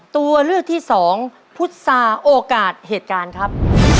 ตัวเลือกที่สองพุษาโอกาสเหตุการณ์ครับ